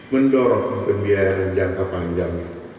mendorong kebiayaan jangka panjang